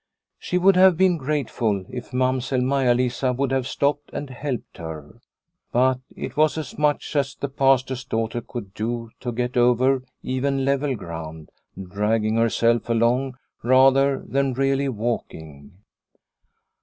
She would have been grateful if Mamsell Maia Lisa would have stopped and helped her. But it was as much as the Pastor's daughter could do to get over even level ground, dragging herself along rather than really walking.